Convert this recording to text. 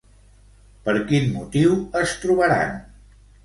Per quin motiu es trobaran?